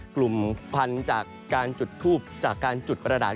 กลุ่มควันจากการจุดทูบจากการจุดกระดาษ